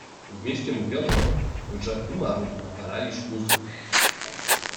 "„W mieście mówiono, że umarł na paraliż mózgu."